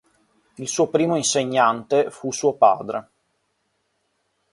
Il suo primo insegnante fu suo padre.